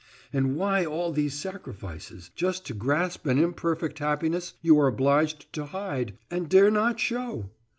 And why all these sacrifices? Just to grasp an imperfect happiness you are obliged to hide, and dare not show!